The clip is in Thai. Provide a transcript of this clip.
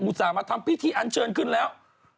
ต่ามาทำพิธีอันเชิญขึ้นแล้ว